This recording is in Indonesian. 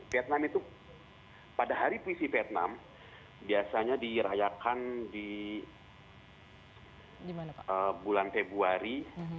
vietnam itu pada hari puisi vietnam biasanya dirayakan di bulan februari